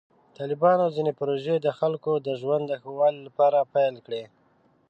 طالبانو ځینې پروژې د خلکو د ژوند د ښه والي لپاره پیل کړې.